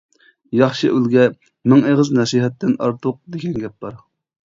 ياخشى ئۈلگە مىڭ ئېغىز نەسىھەتتىن ئارتۇق دېگەن گەپ بار.